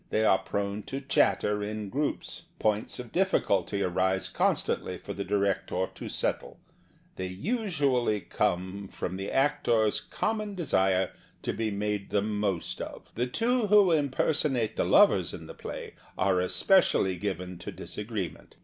They are prone to chatter in groups. Points of difficulty arise constantly for the director to settle. They usually come from the 156 The Theatre and Its People actors' common desire to be made the most of. The two who impersonate the lovers in the play are especially given to dis agreement.